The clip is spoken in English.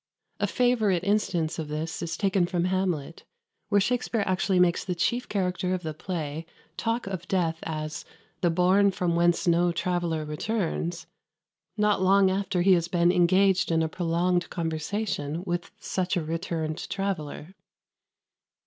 A favourite instance of this is taken from "Hamlet," where Shakspere actually makes the chief character of the play talk of death as "the bourne from whence no traveller returns" not long after he has been engaged in a prolonged conversation with such a returned traveller.